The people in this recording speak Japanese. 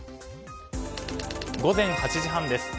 午前８時半です。